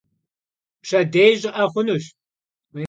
Pşedêy ş'ı'e xhunuş.